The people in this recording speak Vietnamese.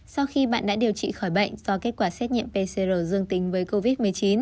sau khi bạn đã điều trị khỏi bệnh do kết quả xét nghiệm pcr dương tính với covid một mươi chín